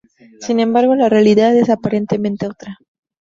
Sin embargo, la realidad es aparentemente otra.